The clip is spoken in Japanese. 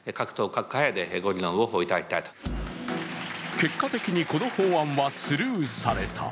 結果的にこの法案はスルーされた。